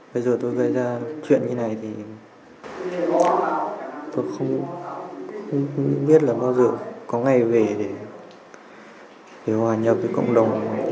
bây giờ tôi gây ra chuyện như này thì tôi không biết là bao giờ có ngày về để hòa nhập với cộng đồng